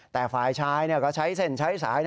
แต่ฝ่ายชายก็ใช้เส้นใช้สาย